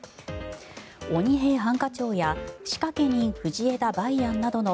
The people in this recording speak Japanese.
「鬼平犯科帳」や「仕掛け人・藤枝梅安」などの